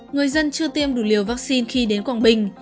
người dân chưa tiêm đủ liều vaccine khi đến quảng bình